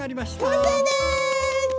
完成です！